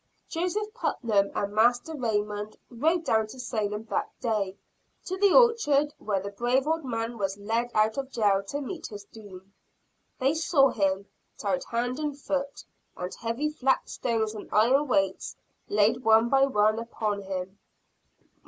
Joseph Putnam and Master Raymond rode down to Salem that day to the orchard where the brave old man was led out of jail to meet his doom. They saw him, tied hand and foot, and heavy flat stones and iron weights laid one by one upon him.